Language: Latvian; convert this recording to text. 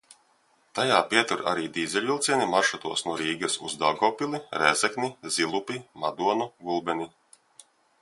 Tajā pietur arī dīzeļvilcieni maršrutos no Rīgas uz Daugavpili, Rēzekni, Zilupi, Madonu, Gulbeni.